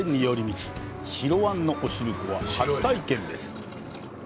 白あんのおしるこは初体験です。